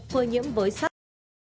cơ nhiễm với sắc